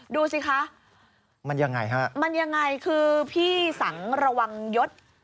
ดูสิคะมันยังไงฮะมันยังไงคือพี่สังระวังยศ